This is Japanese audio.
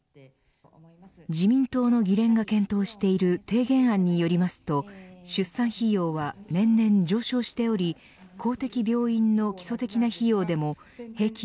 自民党の議連が検討している提言案によりますと出産費用は年々上昇しており公的病院の基礎的な費用でも平均